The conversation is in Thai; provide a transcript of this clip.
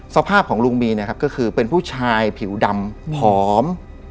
สภาพของลุงมีก็คือเป็นผู้ชายผิวดำผอม